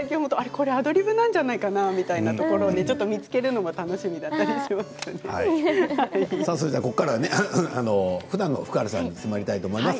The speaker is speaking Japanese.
これアドリブなんじゃないかなというところを見つけるのもここからはふだんの福原さんに迫りたいと思います。